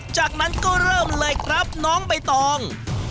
จากนั้นก็เริ่มเลยครับน้องใบตอง